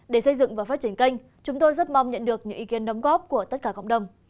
để xây dựng và phát triển kênh chúng tôi rất mong nhận được những ý kiến đóng góp của tất cả cộng đồng